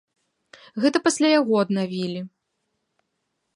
Гэта пасля яго аднавілі.